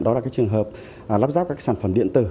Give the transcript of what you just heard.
đó là cái trường hợp lắp ráp các sản phẩm điện tử